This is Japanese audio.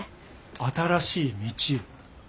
新しい道？